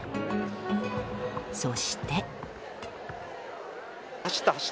そして。